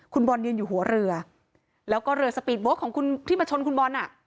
คุณบอลยืนอยู่หัวเรือแล้วก็เรือสปีดโบ๊คของคุณที่มาชนคุณบอลอ่ะ